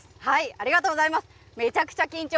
ありがとうございます。